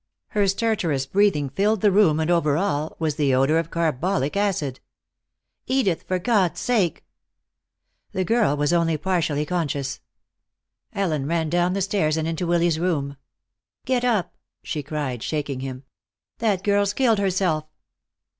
Her stertorous breathing filled the room, and over all was the odor of carbolic acid. "Edith, for God's sake!" The girl was only partially conscious. Ellen ran down the stairs and into Willy's room. "Get up," she cried, shaking him. "That girl's killed herself."